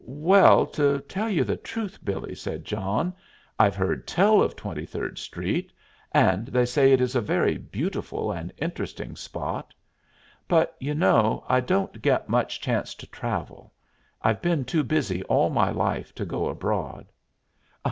"Well, to tell you the truth, Billee," said John, "I've heard tell of Twenty Third Street, and they say it is a very beautiful and interesting spot. But, you know, I don't get much chance to travel. I've been too busy all my life to go abroad."